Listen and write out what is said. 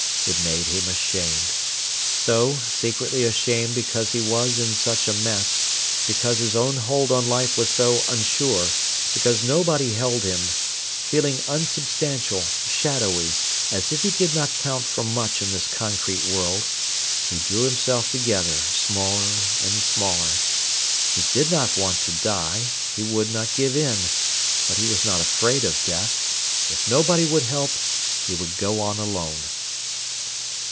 It made him ashamed. So, secretly ashamed because he was in such a mess, because his own hold on life was so unsure, because nobody held him, feeling unsubstantial, shadowy, as if he did not count for much in this concrete world, he drew himself together smaller and smaller. He did not want to die; he would not give in. But he was not afraid of death. If nobody would help, he would go on alone.